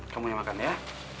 kamu yang makan ya